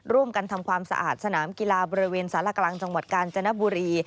ร่วมกันทำความสะอาดสนามกีฬาบบริเวณสลากลางจันทบุรี